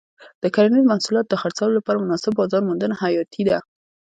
د کرنیزو محصولاتو د خرڅلاو لپاره مناسب بازار موندنه حیاتي ده.